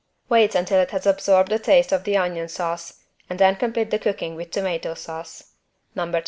Wait until it has absorbed the taste of the onion sauce and then complete the cooking with tomato sauce (No.